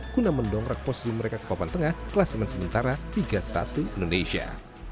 guna mendongkrak posisi mereka ke papan tengah kelas men sementara tiga satu indonesia